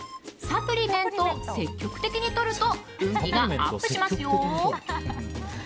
サプリメントを積極的にとると運気がアップしますよ。